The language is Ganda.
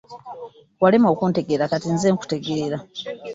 Walema okuntegeera kati nze nkutegeere?